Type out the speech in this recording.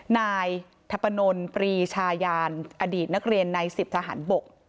นายทัพปนนปรีชายานอดีตนักเรียนใน๑๐ทหารบก